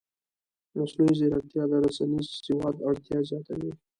مصنوعي ځیرکتیا د رسنیز سواد اړتیا زیاتوي.